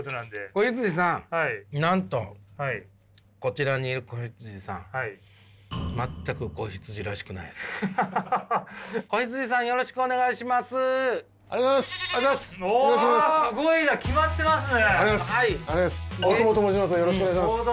大友さんよろしくお願いします。